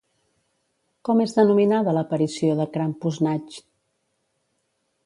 Com és denominada l'aparició de Krampusnacht?